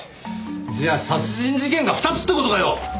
じゃあ殺人事件が２つって事かよ！？